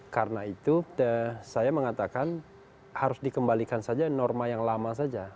karena itu saya mengatakan harus dikembalikan saja norma yang lama saja